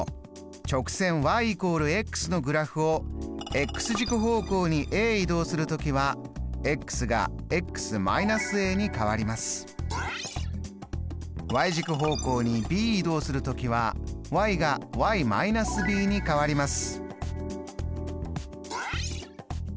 直線＝のグラフを軸方向に移動する時は軸方向にｂ移動する時はが−ｂに変わります。